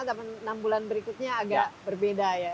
tapi enam bulan berikutnya agak berbeda ya